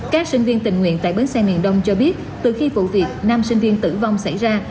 các sinh viên tình nguyện tại bến xe miền đông cho biết từ khi vụ việc năm sinh viên tử vong xảy ra